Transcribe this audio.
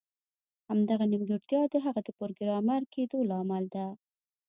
همدغه نیمګړتیا د هغه د پروګرامر کیدو لامل ده